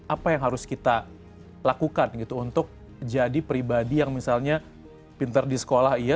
apa yang harus kita lakukan gitu untuk jadi pribadi yang misalnya pinter di sekolah iya